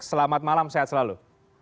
selamat malam sehat selalu